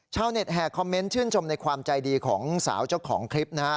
ชาวเน็ตแห่คอมเมนต์ชื่นชมในความใจดีของสาวเจ้าของคลิปนะฮะ